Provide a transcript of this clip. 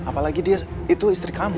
apalagi dia itu istri kami